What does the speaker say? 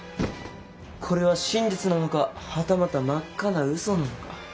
これは真実なのかはたまた真っ赤なうそなのか。